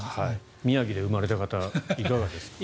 宮城で生まれた方いかがですか。